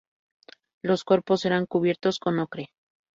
Los cuerpos eran cubiertos con ocre.